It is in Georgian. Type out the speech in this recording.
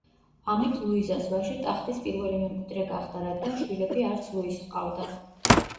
ამით ლუიზას ვაჟი ტახტის პირველი მემკვიდრე გახდა, რადგან შვილები არც ლუის ჰყავდა.